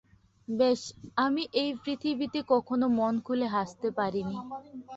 ব্যস আমি এই পৃথিবীতে কখনো মন খুলে হাসতে পারিনি।